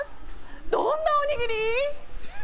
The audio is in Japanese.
どんなおにぎり？